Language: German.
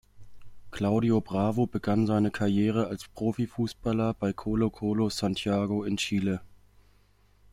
Claudio Bravo begann seine Karriere als Profifußballer bei Colo Colo Santiago in Chile.